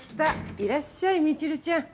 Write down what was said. いらっしゃいみちるちゃん。